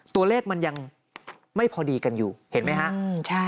ตัวเลขมันยังไม่พอดีกันอยู่เห็นไหมฮะ